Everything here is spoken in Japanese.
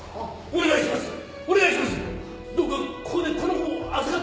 お願いします！